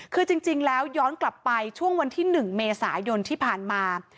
คือจริงแล้วย้อนกลับไปช่วงวันที่๑เมษายนที่ผ่านมา